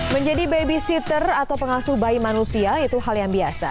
menjadi babysitter atau pengasuh bayi manusia itu hal yang biasa